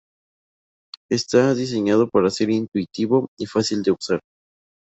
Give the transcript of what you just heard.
Está diseñado para ser intuitivo y fácil de usar.